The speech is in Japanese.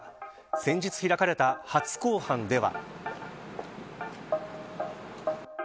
先日、開かれた初公判では。